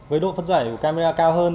với độ phân giải của camera cao hơn